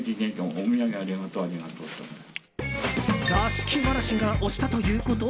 座敷わらしが押したということ？